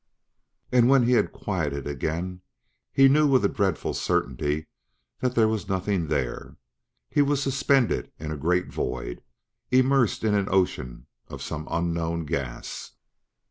And, when he had quieted again, he knew with a dreadful certainty that there was nothing there; he was suspended in a great void immersed in an ocean of some unknown gas.